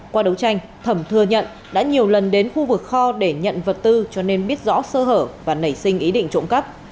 qua đấu tranh thẩm thừa nhận đã nhiều lần đến khu vực kho để nhận vật tư cho nên biết rõ sơ hở và nảy sinh ý định trộm cắp